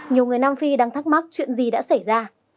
nhiều người nam phi đang thắc mắc chuyện gì đã xảy ra